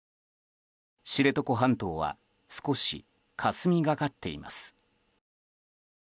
知床半島は少しかすみがかっています。